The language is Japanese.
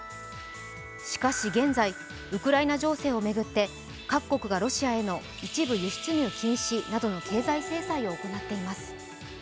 しかし現在、ウクライナ情勢を巡って各国がロシアへの一部輸出入禁止などの経済制裁を行っています。